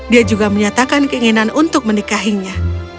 dia juga menyatakan keinginan untuk menikahinya